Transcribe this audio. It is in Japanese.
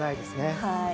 はい。